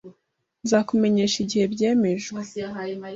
Nzakumenyesha igihe byemejwe